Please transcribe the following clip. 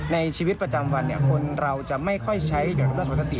ในชีวิตประจำวันเนี่ยคนเราจะไม่ค่อยใช้เกี่ยวกับเรื่องของสติ